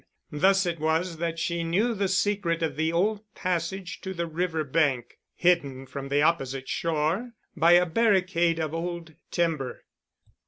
Thus it was that she knew the secret of the old passage to the river bank, hidden from the opposite shore by a barricade of old timber.